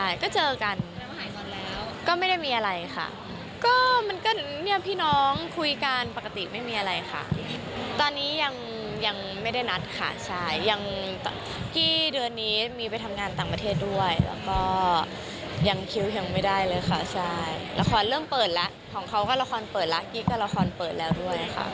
ยังคิวยังไม่ได้เลยค่ะละครเริ่มเปิดแล้วของเขาก็ละครเปิดแล้วกิ๊กก็ละครเปิดแล้วด้วยค่ะ